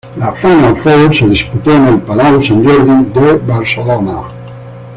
La Final Four se disputó en el Palau Sant Jordi de Barcelona.